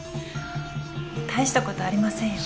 大したことありませんよ。